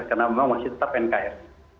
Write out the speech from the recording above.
karena memang masih tetap nkr